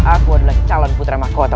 aku adalah calon putra mahkota